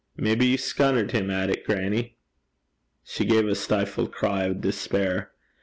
'Maybe ye scunnert him at it, grannie.' She gave a stifled cry of despair.